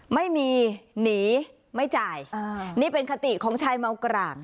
ไม่มีหนีไม่จ่ายนี่เป็นคติของชายเมากร่าง